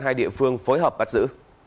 hai địa phương phối hợp bắt giữ